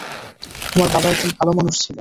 তোমার বাবা একজন ভালো মানুষ ছিলেন।